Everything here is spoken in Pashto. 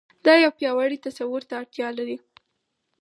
دا يو پياوړي تصور ته اړتيا لري.